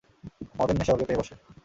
মদের নেশা ওকে পেয়ে বসে।